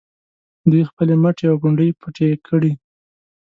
دوی خپلې مټې او پنډۍ پټې کړي.